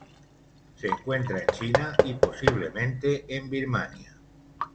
Se encuentra en China y, posiblemente, en Birmania.